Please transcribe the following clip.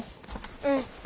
うん。